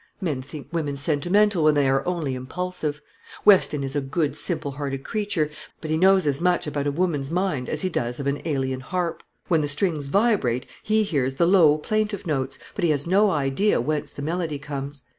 Men think women sentimental when they are only impulsive. Weston is a good simple hearted creature, but he knows as much about a woman's mind as he does of an Æolian harp. When the strings vibrate, he hears the low plaintive notes, but he has no idea whence the melody comes.